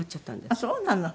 ああそうなの。